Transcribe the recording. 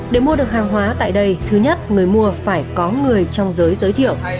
để mua được hàng hóa tại đây thứ nhất người mua phải có người trong giới giới thiệu